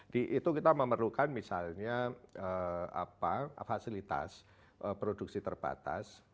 di itu kita memerlukan misalnya fasilitas produksi terbatas